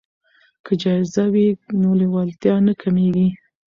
که جایزه وي نو لیوالتیا نه کمیږي.